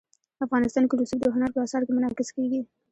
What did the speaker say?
افغانستان کې رسوب د هنر په اثار کې منعکس کېږي.